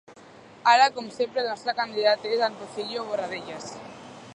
«Ara com sempre, el nostre candidat és en Pociello Vorradellas.